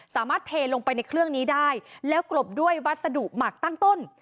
เทลงไปในเครื่องนี้ได้แล้วกรบด้วยวัสดุหมักตั้งต้น